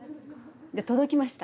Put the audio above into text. で届きました。